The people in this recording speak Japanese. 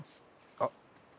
あっ！